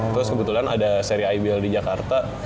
terus kebetulan ada seri ibl di jakarta